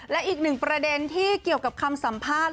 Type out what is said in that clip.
และอีกหนึ่งประเด็นที่เกี่ยวกับคำสัมภาษณ์